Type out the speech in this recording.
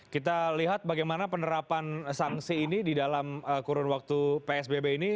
kita lihat bagaimana penerapan sanksi ini di dalam kurun waktu psbb ini